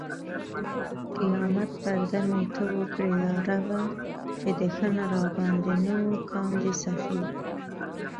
قیامت پرده مې ته اوکړې یا ربه! چې دښنه راباندې نه و کاندي سخې